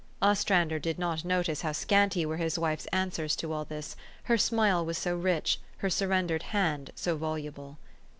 Ostrander did not notice how scanty were his wife's answers to all this, her smile was so rich, her surrendered hand so voluble.